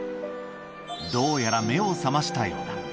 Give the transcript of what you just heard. どうやら、目を覚ましたようだ。